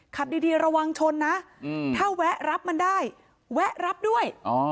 ขับดีระวังชนนะถ้าแวะรับมันได้แวะรับด้วย